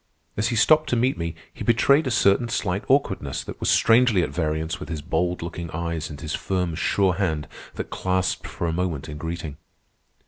As he stopped to meet me, he betrayed a certain slight awkwardness that was strangely at variance with his bold looking eyes and his firm, sure hand that clasped for a moment in greeting.